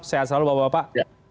sehat selalu bapak bapak